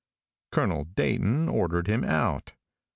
Colonel Dayton ordered him out.